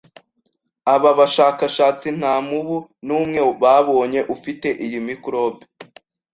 Aba bashakashatsi nta mubu n'umwe babonye ufite iyi microbe